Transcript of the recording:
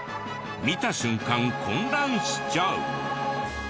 見た瞬間混乱しちゃう。